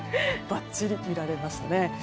ばっちり見られましたね。